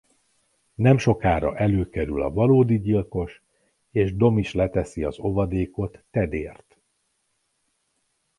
Nemsokára előkerül a valódi gyilkos és Dom is leteszi az óvadékot Tedért.